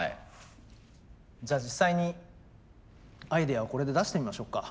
じゃあ実際にアイデアをこれで出してみましょうか。